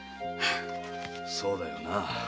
そうだよな。